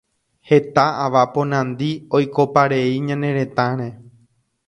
Heta ava ponandi oikoparei ñane retãre.